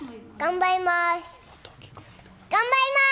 頑張ります！